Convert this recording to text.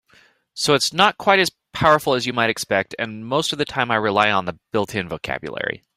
So it's not quite as powerful as you might expect, and most of the time I rely on the built-in vocabulary.